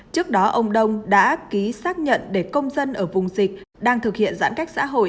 trước đó ông đông đã ký xác nhận để công dân ở vùng dịch đang thực hiện giãn cách xã hội